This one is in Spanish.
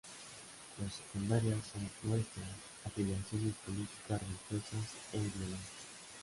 Las secundarias son nuestras afiliaciones políticas, religiosas e ideológicas.